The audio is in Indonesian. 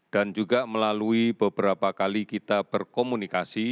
dan juga melalui beberapa kali kita berkomunikasi